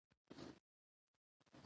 ښځه د کور د نظم او سمون لپاره زیار باسي